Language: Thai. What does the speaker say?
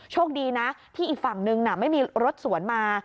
โชคดีนะที่อีกฝั่งนึงไม่มีรถสวนมา